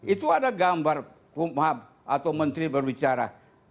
itu ada gambar kumhab atau menteri berbicara